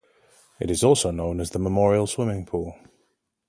It is also known as the Memorial Swimming Pool.